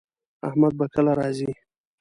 احمد به کله راځي